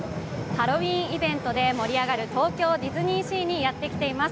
ハロウィーンイベントで盛り上がる東京ディズニーシーにやって来ています。